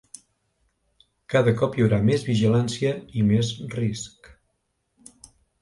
Cada cop hi haurà més vigilància i més risc.